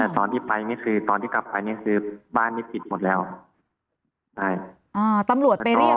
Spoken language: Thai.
ตอนที่ไปก็คือตอนที่กลับไปนี่คือบ้านที่ติดหมดแล้ว